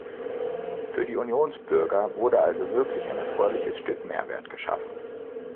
Für die Unionsbürger wurde also wirklich ein erfreuliches Stück Mehrwert geschaffen.